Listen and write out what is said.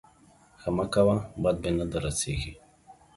ښه مه کوه بد به نه در رسېږي.